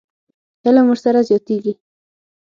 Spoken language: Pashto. علم ورسره زیاتېږي.